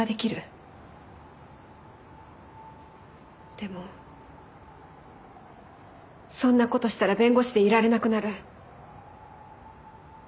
でもそんなことしたら弁護士でいられなくなる。